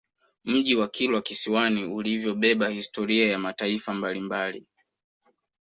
Mji wa Kilwa Kisiwani ulivyobeba historia ya mataifa mbalimbali